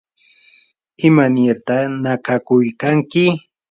¿imanirta nakakuykanki?